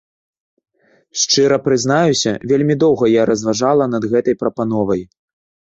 Шчыра прызнаюся, вельмі доўга я разважала над гэтай прапановай.